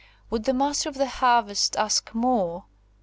Would the Master of the Harvest ask more?